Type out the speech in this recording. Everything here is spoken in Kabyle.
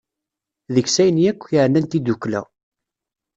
Deg-s ayen yakk yeɛnan tiddukkla.